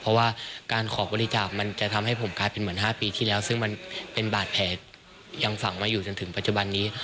เพราะว่าการขอบริจาคมันจะทำให้ผมกลายเป็นเหมือน๕ปีที่แล้วซึ่งมันเป็นบาดแผลยังฝังมาอยู่จนถึงปัจจุบันนี้